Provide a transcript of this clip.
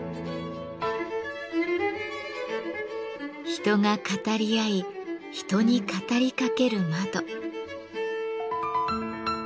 人が語り合い人に語りかける窓。